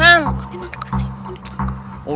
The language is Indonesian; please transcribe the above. kenapa nggak disangkep